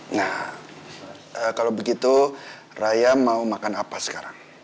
nah kalau begitu raya mau makan apa sekarang